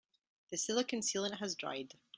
The silicon sealant has dried.